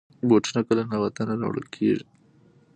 بوټونه کله له وطنه راوړل کېږي.